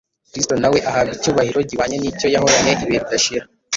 Kristo nawe ahabwa icyubahiro gihwanye n’icyo yahoranye ibihe bidashira